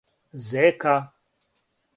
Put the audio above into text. зека